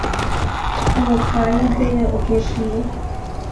Но кайыде огеш лий.